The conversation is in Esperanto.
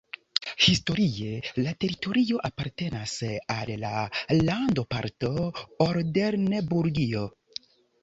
Historie la teritorio apartenas al la landoparto Oldenburgio.